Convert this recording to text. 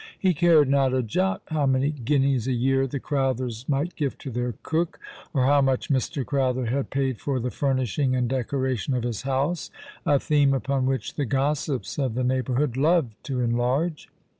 He cared not a jot how many guineas a year the Crowthers might give to their cook, or how much Mr. Crowther had paid for the furnishing and decoration of his house, a theme ui3on which the gossips of the neighbourhood loved to enlarge.